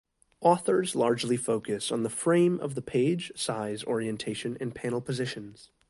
Authors largely focus on the frame of the page, size, orientation, and panel positions.